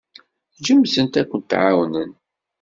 Ǧǧemt-ten akent-ɛawnen.